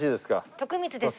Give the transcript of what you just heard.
徳光です。